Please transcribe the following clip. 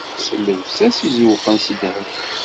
S llebsa-s izewwqen s ddheb.